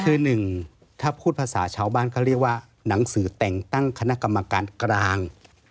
คือหนึ่งถ้าพูดภาษาชาวบ้านเขาเรียกว่าหนังสือแต่งตั้งคณะกรรมการกลาง